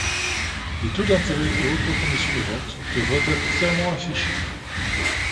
Les taux d'intérêt et autres conditions de vente devraient être clairement affichées.